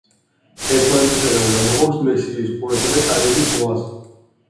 ერთმანეთისაგან გამოყოფს მექსიკის ყურესა და კარიბის ზღვას.